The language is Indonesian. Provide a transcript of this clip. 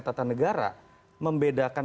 tata negara membedakan